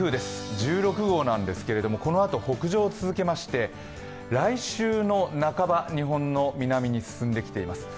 １６号なんですけどもこのあと北上を続けまして、来週の半ば、日本の南に進んできます。